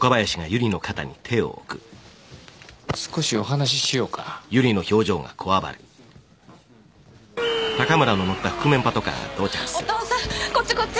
少しお話しようかお父さんこっちこっち！